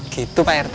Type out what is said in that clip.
gitu pak rt